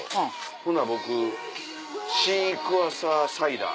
これシークァーサーサイダー。